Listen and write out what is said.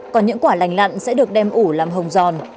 còn những quả lành lặn sẽ được đem ủ làm hồng giòn